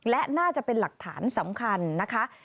และน่าจะเป็นหลักฐานสำคัญนะคะ